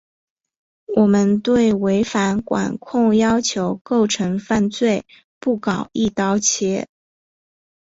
我们对违反管控要求构成犯罪不搞‘一刀切’